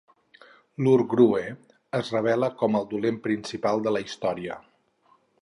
L'Ur-grue es revela com el dolent principal de la història.